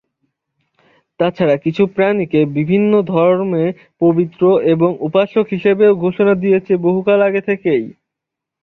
তাছাড়া কিছু প্রাণীকে বিভিন্ন ধর্মে পবিত্র এবং উপাসক হিসাবেও ঘোষণা দিয়েছে বহুকাল আগে থেকেই।